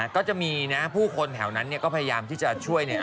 ก็จะมีนะผู้คนแถวนั้นเนี่ยก็พยายามที่จะช่วยเนี่ย